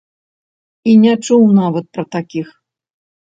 І не чуў нават пра такіх.